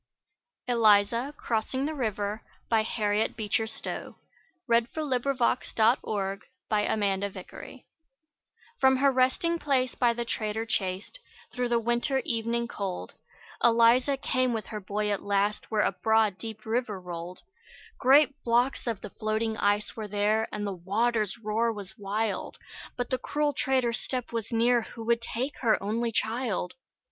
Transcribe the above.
ELIZA CROSSING THE RIVER From her resting place by the trader chased, Through the winter evening cold, Eliza came with her boy at last, Where a broad deep river rolled. Great blocks of the floating ice were there, And the water's roar was wild, But the cruel trader's step was near, Who would take her only child.